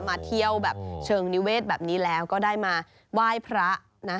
มาเที่ยวแบบเชิงนิเวศแบบนี้แล้วก็ได้มาไหว้พระนะ